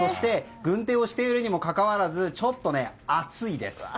軍手をしているにもかかわらずちょっと熱いです。